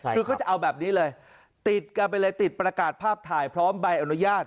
คือเขาจะเอาแบบนี้เลยติดกันไปเลยติดประกาศภาพถ่ายพร้อมใบอนุญาต